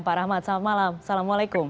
pak rahmat selamat malam assalamualaikum